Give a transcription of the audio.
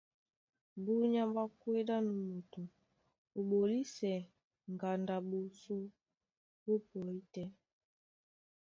Búnyá ɓwá kwédí á nú moto ó ɓolisɛ ŋgando a ɓosó ɓó pɔí tɛ́,